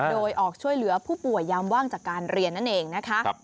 โดยออกช่วยเหลือผู้ป่วยยามว่างจากการเรียนนั่นเองนะคะ